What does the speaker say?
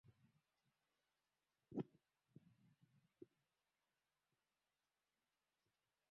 kufutwa kwenye sheria mama yaani Katiba Hata hivyo wakaendelea kutumia neno hilo la Chief